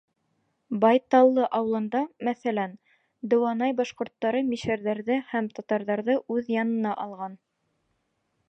Байталлы ауылында, мәҫәлән, дыуанай башҡорттары мишәрҙәрҙе һәм татарҙарҙы үҙ янына алған.